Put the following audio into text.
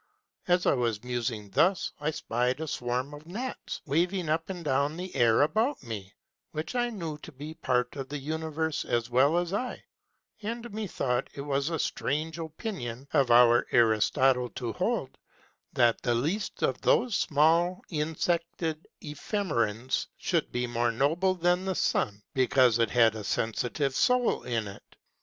As I was musing thus, I spied a swarm of Gnats waving up and down the Air about me, which I knew to be part of the Universe as well as I : And methought it was a strange opinion of our Aristotle to hold, that the least of those small iusected Ephemerans should be more noble than the Sun, because it had a sensitive soul in it.